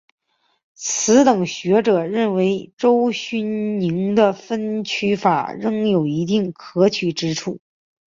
此等学者认为刘勋宁的分区法亦有一定可取之处。